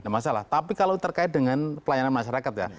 masalah tapi kalau terkait dengan pelayanan masyarakat ya